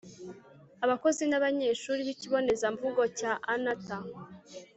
abakozi n'abanyeshuri b'ikibonezamvugo cya anata